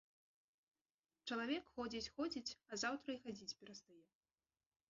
Чалавек ходзіць-ходзіць, а заўтра і хадзіць перастае.